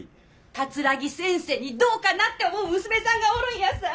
桂木先生にどうかなって思う娘さんがおるんやさ。